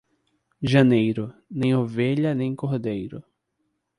Janeiro, nem ovelha nem cordeiro.